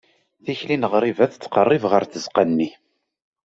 Tikli n ɣriba tettqerrib ɣer tzeqqa-nni.